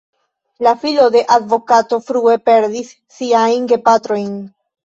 La filo de advokato frue perdis siajn gepatrojn.